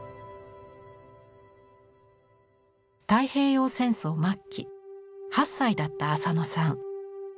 太平洋戦争末期８歳だった浅野さん。